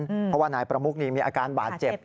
เพราะว่านายประมุกนี่มีอาการบาดเจ็บ